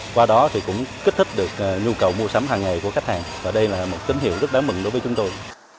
qua đó thì cũng kích thích được nhu cầu mua sắm hàng ngày của khách hàng và đây là một tín hiệu rất đáng mừng đối với chúng tôi